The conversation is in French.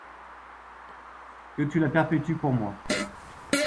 Que tu la perpétues pour moi.